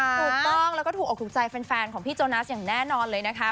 ถูกต้องแล้วก็ถูกออกถูกใจแฟนของพี่โจนัสอย่างแน่นอนเลยนะคะ